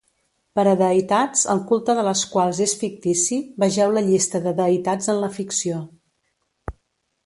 Per a deïtats el culte de les quals és fictici, vegeu la Llista de deïtats en la ficció.